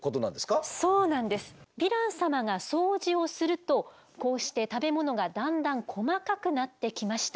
ヴィラン様が掃除をするとこうして食べ物がだんだん細かくなってきました。